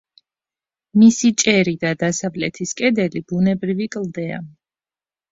მისი ჭერი და დასავლეთის კედელი ბუნებრივი კლდეა.